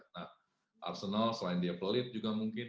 nah arsenal selain dia pelit juga mungkin